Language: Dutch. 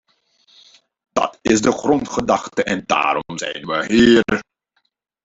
Dat is de grondgedachte en daarom zijn we hier!